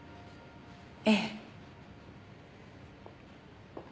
ええ。